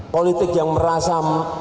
politik yang merasa